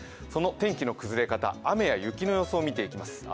その天気の崩れ方、雨や雪の予想をみていきます。